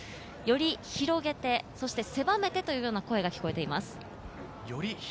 より広げて、狭めてというような声が聞こえています。